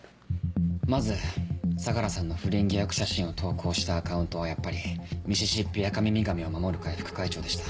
まず相良さんの不倫疑惑写真を投稿したアカウントはやっぱり「ミシシッピアカミミガメを守る会副会長」でした。